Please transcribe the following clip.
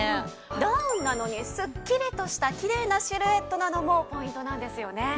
ダウンなのにすっきりとしたきれいなシルエットなのもポイントなんですよね。